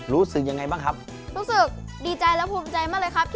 รู้สึกดีใจและภูมิใจมากเลยครับ